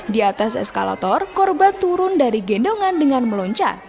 di atas eskalator korban turun dari gendongan dengan meloncat